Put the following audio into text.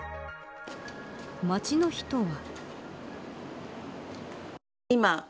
街の人は。